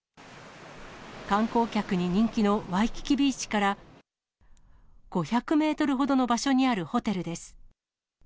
観光客に人気のワイキキビーチから５００メートルほどの場所にあるホテルです。